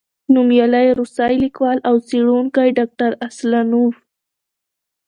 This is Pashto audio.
نومیالی روسی لیکوال او څېړونکی، ډاکټر اسلانوف،